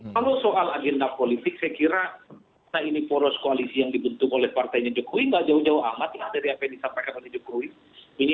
kalau soal agenda politik saya kira ini poros koalisi yang dibentuk oleh partainya jokowi nggak jauh jauh amat lah dari apa yang disampaikan oleh jokowi